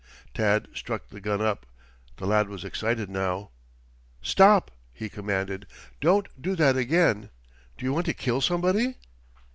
Tad struck the gun up. The lad was excited now. "Stop!" he commanded. "Don't do that again. Do you want to kill somebody?"